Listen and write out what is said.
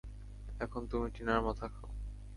এখন তুমি টিনার মাথা খাও।